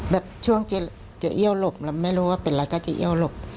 แบบช่วงจะเอี้ยวหลบแล้วไม่รู้ว่าเป็นอะไรก็จะเอี้ยวหลบ